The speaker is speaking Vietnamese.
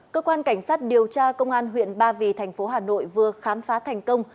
cơ quan cảnh sát điều tra công an huyện ba vì thành phố hà nội vừa khám phá thành công